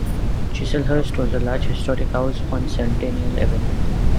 Chislehurst was a large historic house on Centennial Avenue.